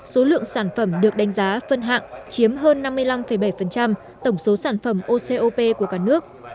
số lượng sản phẩm được đánh giá phân hạng chiếm hơn năm mươi năm bảy tổng số sản phẩm ocop của cả nước